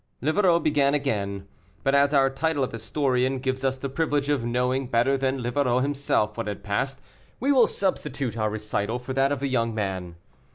Livarot began again, but as our title of historian gives us the privilege of knowing better than Livarot himself what had passed, we will substitute our recital for that of the young man.